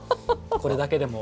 これだけでも。